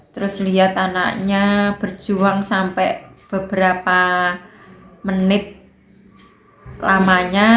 terus lihat anaknya berjuang sampai beberapa menit lamanya